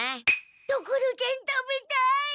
ところてん食べたい！